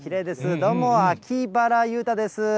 どうも、秋バラ裕太です。